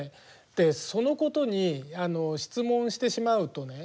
でそのことに質問してしまうとね